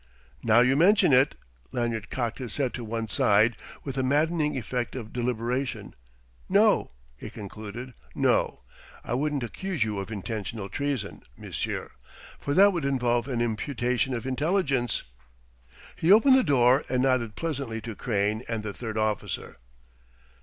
"Now you mention it...." Lanyard cocked his head to one side with a maddening effect of deliberation. "No," he concluded "no; I wouldn't accuse you of intentional treason, monsieur; for that would involve an imputation of intelligence...." He opened the door and nodded pleasantly to Crane and the third officer.